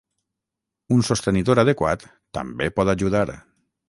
Un sostenidor adequat també pot ajudar.